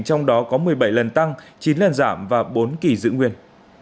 trong đó có một mươi bảy lần tăng chín lần giảm và bốn kỳ dự nguyên